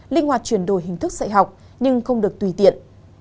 linh hoạt chuyển đổi hình thức dạy học nhưng không được tùy tiện